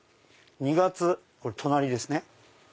２月隣ですね。